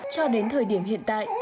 cho đến thời điểm hiện tại